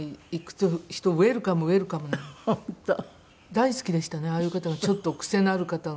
大好きでしたねああいう方がちょっと癖のある方が。